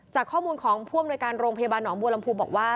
จากข้อมูลของผู้อำนวยการโรงพยาบาลหนองบัวลำพูบอกว่า